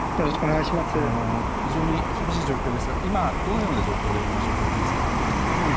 非常に厳しい状況ですが今、どのような場所からお話をされていますか？